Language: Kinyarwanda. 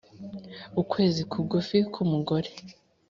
ukwezi kugufi kwu mugore,